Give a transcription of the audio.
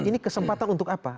ini kesempatan untuk apa